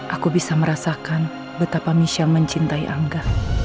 aku bisa merasakan betapa michelle mencintai angga